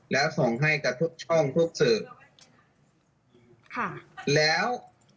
แล้วส่งให้กับทุกช่องทุกสื่อค่ะแล้ว